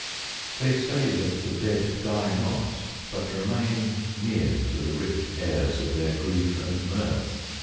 They say that the Dead die not, but remain Near to the rich heirs of their grief and mirth.